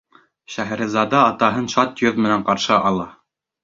Шәһрезада атаһын шат йөҙ менән ҡаршы ала.